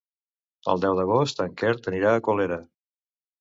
El deu d'agost en Quer anirà a Colera.